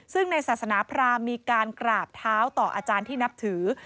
ซึ่งในศาสนาพรามมีการกราบเท้าต่ออาจารย์ที่นับถือ